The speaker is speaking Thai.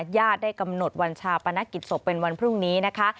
ญาติได้กำหนดวันชาปนกิจศพเป็นวันพรุ่งนี้นะคะ